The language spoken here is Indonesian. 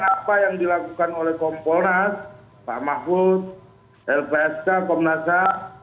apa yang dilakukan oleh kompolnas pak mahfud lpsk komnas ham